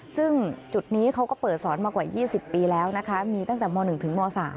ซึ่งจุดนี้เขาก็เปิดสอนมากว่า๒๐ปีแล้วนะคะมีตั้งแต่ม๑ถึงม๓